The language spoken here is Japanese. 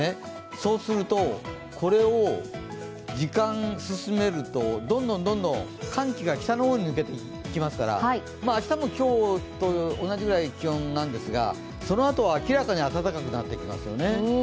そうすると、これを時間進めると、どんどん寒気が北の方に抜けていきますから明日も今日と同じくらいの気温なんですが、そのあとは明らかに温かくなってきますよね。